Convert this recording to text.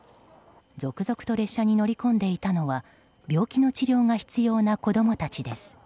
続々と列車に乗り込んでいたのは病気の治療が必要な子供たちです。